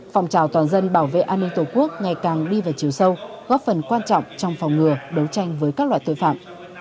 phòng trào toàn dân bảo vệ an ninh tổ quốc ngày càng đi vào chiều sâu góp phần quan trọng trong phòng ngừa đấu tranh với các loại tội phạm